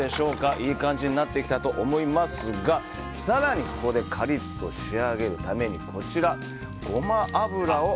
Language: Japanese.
いい感じになってきたと思いますが更に、ここでカリッと仕上げるためにこちら、ゴマ油を。